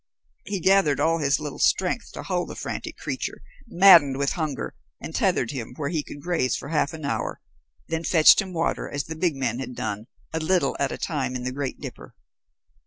He gathered all his little strength to hold the frantic creature, maddened with hunger, and tethered him where he could graze for half an hour, then fetched him water as the big man had done, a little at a time in the great dipper.